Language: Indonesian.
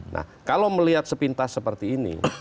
nah kalau melihat sepintas seperti ini